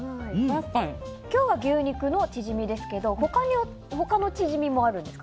今日は牛肉のチヂミですけど他のチヂミもあるんですか？